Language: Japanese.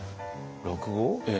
落語？